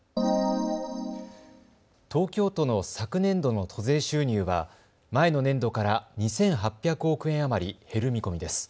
東京都の昨年度の都税収入は前の年度から２８００億円余り減る見込みです。